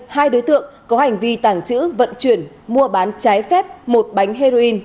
hai đối tượng có hành vi tàng trữ vận chuyển mua bán trái phép một bánh heroin trên địa bàn